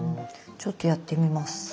ちょっとやってみます。